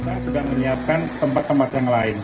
kita sudah menyiapkan tempat tempat yang lain